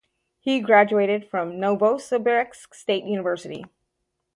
He graduated from Novosibirsk State University.